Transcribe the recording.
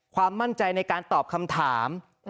ความมั่นใจในการตอบคำถาม